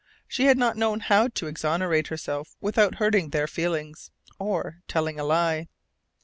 She had not known how to exonerate herself without hurting their feelings, or telling a lie.